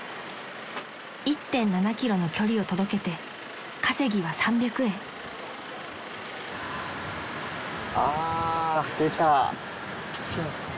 ［１．７ｋｍの距離を届けて稼ぎは３００円］あ出た。